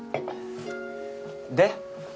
で？